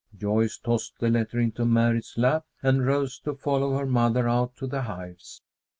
Joyce tossed the letter into Mary's lap and rose to follow her mother out to the hives.